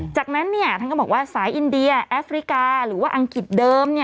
จากนั้นท่านก็บอกว่าสายอินเดียแอฟริกาหรือว่าอังกฤษเดิม